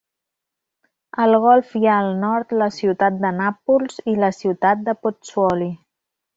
Al golf hi ha, al nord, la ciutat de Nàpols i la ciutat de Pozzuoli.